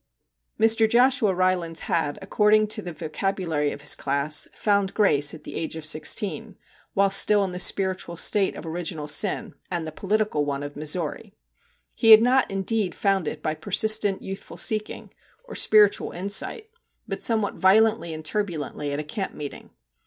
#*%## MR. JOSHUA RYLANDS had, according to the vocabulary of his class, 'found grace' at the age of sixteen, while still in the spiritual state of 'original sin' and the political one of Missouri. He had not indeed found it by persistent youthful seeking or spiritual insight, but somewhat violently and turbulently at a camp meeting.